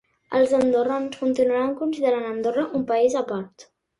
Els andorrans continuaren considerant Andorra un país a part.